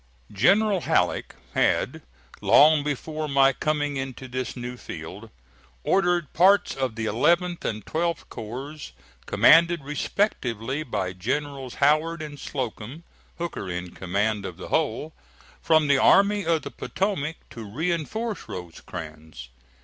General Halleck had, long before my coming into this new field, ordered parts of the 11th and 12th corps, commanded respectively by Generals Howard and Slocum, Hooker in command of the whole, from the Army of the Potomac to reinforce Rosecrans.